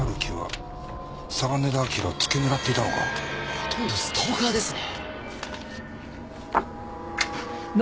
ほとんどストーカーですね。